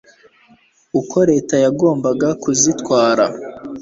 uko leta yagombaga kuzitwara